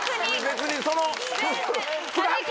別にその。